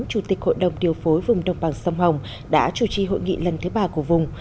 chủ tịch hội đồng điều phối vùng đồng bằng sông hồng đã chủ trì hội nghị lần thứ ba của vùng